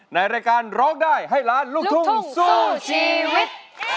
ในรายการร้องได้ให้ล้านลูกทุ่งสู้ชีวิต